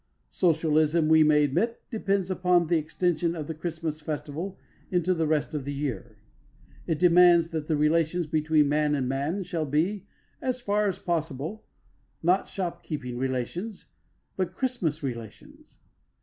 Socialism, we may admit, depends upon the extension of the Christmas festival into the rest of the year. It demands that the relations between man and man shall be, as far as possible, not shopkeeping relations, but Christmas relations.